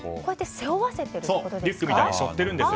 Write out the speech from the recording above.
背負わせているということですか。